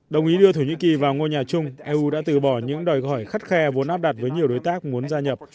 đồng ý đưa thổ nhĩ kỳ vào ngôi nhà chung eu đã từ bỏ những đòi hỏi khắt khe vốn áp đặt với nhiều đối tác muốn gia nhập